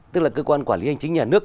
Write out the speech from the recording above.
tức là cơ quan quản lý hành chính nhà nước